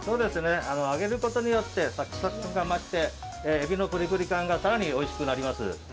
揚げることによってサクサクが増してエビのプリプリ感が更においしくなります。